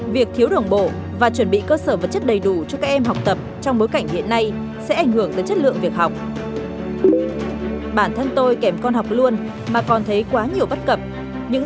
việc thiếu đồng bộ và chuẩn bị cơ sở vật chất đầy đủ cho các em học tập trong bối cảnh hiện nay sẽ ảnh hưởng tới chất lượng việc học